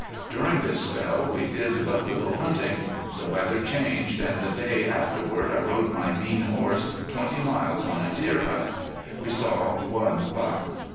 During this spell we did but little hunting. The weather changed, and the day afterward I rode my mean horse twenty miles on a deer hunt. We saw one buck.